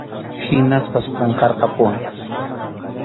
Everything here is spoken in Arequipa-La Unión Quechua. Hinaspas qarqurqampuwan.